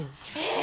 え！？